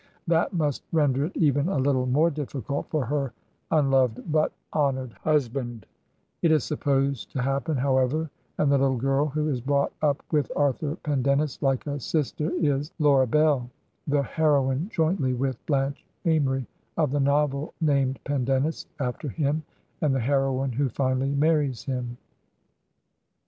That must render it even a little more difficult for her unloved but honored husband. It is supposed to happen, however, and the little girl who is brought up with Arthur Pendennis like i. o 209 Google — Digitized by VjOOQ HEROINES OF FICTION a sister is Laura Bdl, the heroine jointly with Blanche Amory of the novel named " Pendennis " after him, and the heroine who finally marries him.